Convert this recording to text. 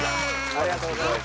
ありがとうございます。